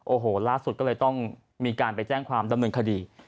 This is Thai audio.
โอ้โหล่าสุดก็เลยต้องมีการไปแจ้งความดำเนินคดี